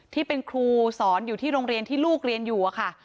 ที่เป็นครูสอนอยู่ที่โรงเรียนที่ลูกเรียนอยู่ค่ะ